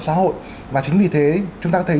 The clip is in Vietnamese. xã hội và chính vì thế chúng ta thấy